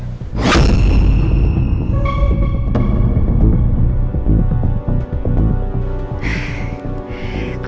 aku sudah berani untuk melawan mereka